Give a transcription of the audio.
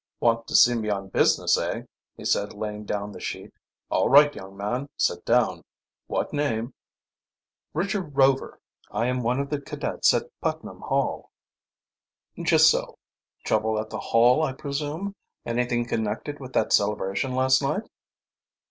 "Want to see me on business, eh?" he said, laying down the sheet. "All right, young man, sit down. What name?" "Richard Rover. I am one of the cadets at Putnam Hall." "Just so. Trouble at the Hall, I presume? Anything connected with that celebration last night?"